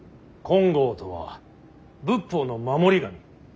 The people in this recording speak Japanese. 金剛とは仏法の守り神。